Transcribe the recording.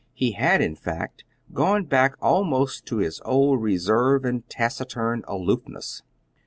He had, in fact, gone back almost to his old reserve and taciturn aloofness.